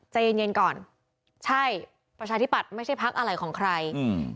ใจเย็นก่อนใช่ประชาธิบัติไม่ใช่ภักดิ์อะไรของใคร